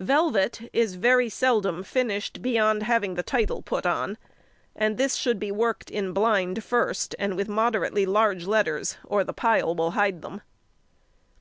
Velvet is very seldom finished beyond having the title put on, and this should be worked in blind first and with moderately large letters, or the pile will hide them.